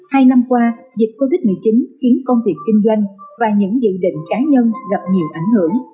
hai năm qua dịch covid một mươi chín khiến công việc kinh doanh và những dự định cá nhân gặp nhiều ảnh hưởng